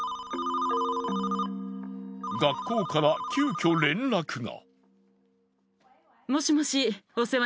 学校から急遽連絡が。